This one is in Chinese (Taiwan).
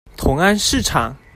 同安市場